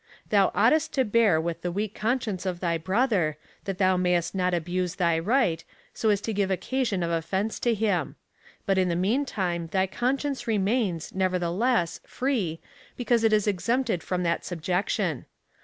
" Thou oughtest to bear with the weak conscience of thy brother, that thou mayest not abuse thy right, so as to give occasion of offence to him ; but in the meantime thy conscience remains, nevertheless, free, be cause it is exempted from that subjection.